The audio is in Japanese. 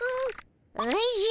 おじゃ！